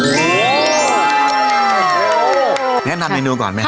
งั้นนำเมนูก่อนไหม